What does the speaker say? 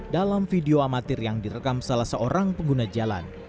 dalam video amatir yang direkam salah seorang pengguna jalan